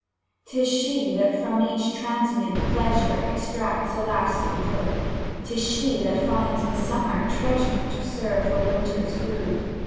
'Tis she that from each transient pleasure Extracts a lasting good; 'Tis she that finds, in summer, treasure To serve for winter's food.